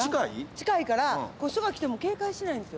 近いから、そば来ても警戒しないんですよ。